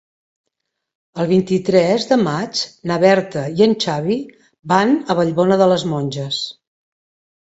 El vint-i-tres de maig na Berta i en Xavi van a Vallbona de les Monges.